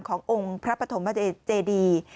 ขององค์พระปฐมเจดี